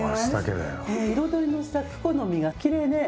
彩りのせたクコの実がきれいね。